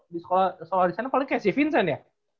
di sekolah disana paling kayak si vincent ya